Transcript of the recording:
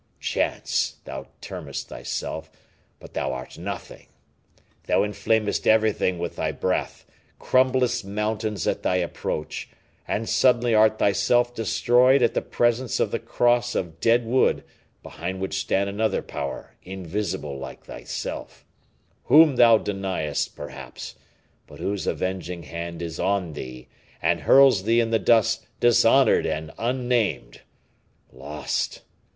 Chance, thou term'st thyself, but thou art nothing; thou inflamest everything with thy breath, crumblest mountains at thy approach, and suddenly art thyself destroyed at the presence of the Cross of dead wood behind which stand another Power invisible like thyself whom thou deniest, perhaps, but whose avenging hand is on thee, and hurls thee in the dust dishonored and unnamed! Lost!